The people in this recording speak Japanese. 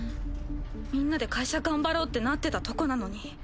みんなで会社頑張ろうってなってたとこなのに。